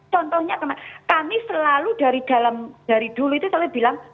contohnya kami selalu dari dulu itu selalu bilang